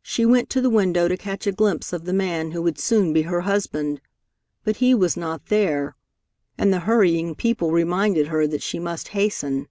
She went to the window to catch a glimpse of the man who would soon be her husband, but he was not there, and the hurrying people reminded her that she must hasten.